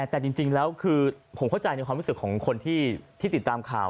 แต่จริงแล้วคือผมเข้าใจในความรู้สึกของคนที่ติดตามข่าว